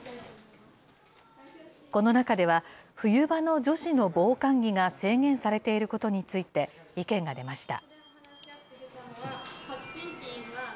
この中では冬場の女子の防寒着が制限されていることについて、意見が出ました。